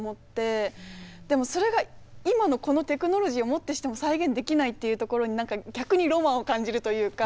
でもそれが今のこのテクノロジーをもってしても再現できないっていうところに何か逆にロマンを感じるというか。